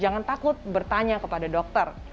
jangan takut bertanya kepada dokter